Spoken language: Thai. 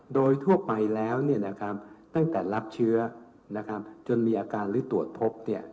โดยทั่วไปแล้วตั้งแต่รับเชื้อจนมีอาการหรือตรวจพบ